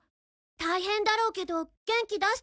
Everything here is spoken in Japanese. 大変だろうけど元気出してね。